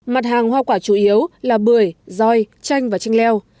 mặt hàng hoa quả chủ yếu là bưởi roi chanh và chanh leo